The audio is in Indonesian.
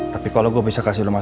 tapi kalau gue bisa kasih lu masukan